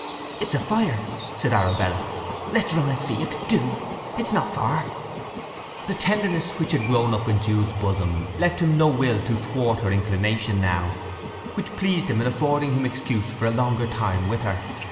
"It is a fire," said Arabella. "Let's run and see it—do! It is not far!" The tenderness which had grown up in Jude's bosom left him no will to thwart her inclination now—which pleased him in affording him excuse for a longer time with her.